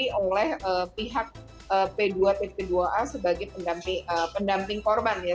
ini oleh pihak p dua p dua a sebagai pendamping korban ya